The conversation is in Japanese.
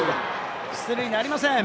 出塁なりません。